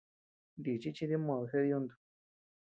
Nichi chi dimod jeʼed yuntu.